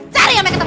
cari yang mereka tau